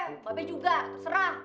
mbak be juga terserah